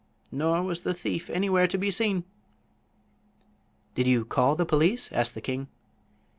Nor was the thief anywhere to be seen." "Did you call the police?" asked the king.